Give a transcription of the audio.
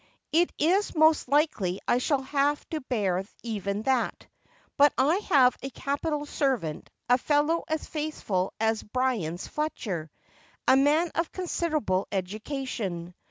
' It is most likely I shall have to bear even that. But I have a capital servant, a fellow as faithful as Byron's Fletcher, a man of considerable education.